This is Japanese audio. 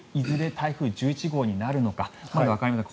台風１１号になるのかまだわかりません。